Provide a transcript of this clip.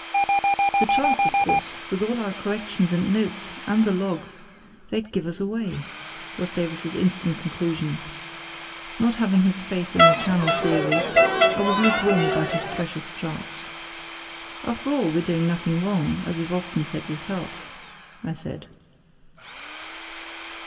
"The charts, of course, with all our corrections and notes, and the log. They'd give us away," was Davies's instant conclusion. Not having his faith in the channel theory, I was lukewarm about his precious charts. "After all, we're doing nothing wrong, as you've often said yourself," I said.